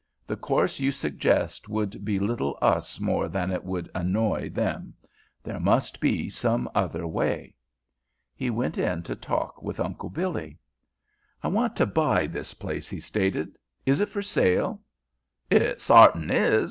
The course you suggest would belittle us more than it would annoy them. There must be some other way." He went in to talk with Uncle Billy. "I want to buy this place," he stated. "Is it for sale?" "It sartin is!"